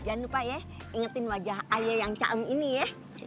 jangan lupa ya ingetin wajah ayam yang caem ini ya